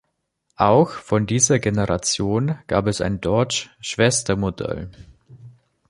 Auch von dieser Generation gab es ein Dodge-Schwestermodell.